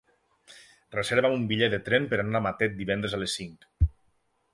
Reserva'm un bitllet de tren per anar a Matet divendres a les cinc.